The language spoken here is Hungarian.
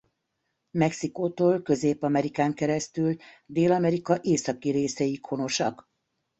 Mexikótól Közép-Amerikán keresztül Dél-Amerika északi részéig honosak.